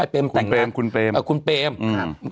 เอาไอ้เปมมายุ่งวุ่นไว้เพราะว่าไอ้เปมคุณเปมคุณเปมคุณเปมอืม